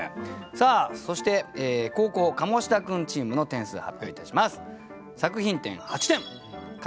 さあそして後攻カモシダ君チームの点数発表いたします。